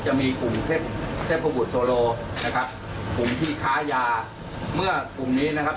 จะมีกลุ่มเทพเทพบุตรโซโลนะครับกลุ่มที่ค้ายาเมื่อกลุ่มนี้นะครับ